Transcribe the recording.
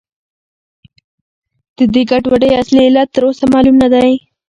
د دې ګډوډۍ اصلي علت تر اوسه معلوم نه دی.